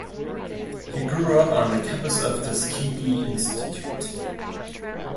He grew up on the campus of Tuskegee Institute.